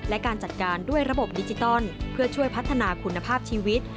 และการจัดการด้วยระบบดิจิตอลเพื่อช่วยพัฒนาคุณภาพชีวิต